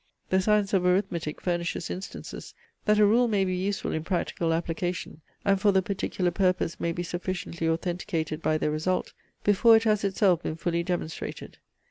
The science of arithmetic furnishes instances, that a rule may be useful in practical application, and for the particular purpose may be sufficiently authenticated by the result, before it has itself been fully demonstrated.